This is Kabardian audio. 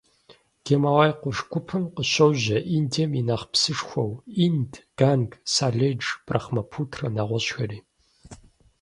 Гималай къурш гупым къыщожьэ Индием и нэхъ псышхуэу Инд, Ганг, Саледж, Брахмапутрэ, нэгъуэщӀхэри.